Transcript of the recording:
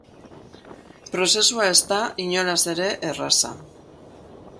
Prozesua ez da, inolaz ere, erraza.